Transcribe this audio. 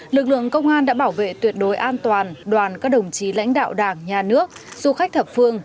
lực lượng công an đã bảo vệ tuyệt đối an toàn đoàn các đồng chí lãnh đạo đảng nhà nước du khách thập phương